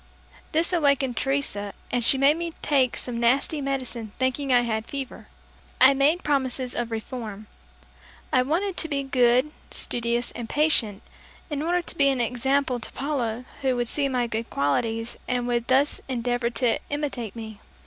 This awakened Teresa, and she made me take some nasty medicine thinking I had fever. I made promises of reform. I wanted to be good, studious and patient, in order to be an example to Paula who would see my good qualities and would thus endeavor to imitate me.